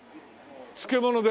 漬物で。